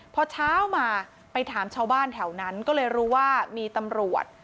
พอเช้ามาไปถามชาวบ้านแถวนั้นก็เลยรู้ว่ามีตำรวจ